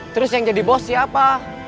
terus yang jadi bos siapa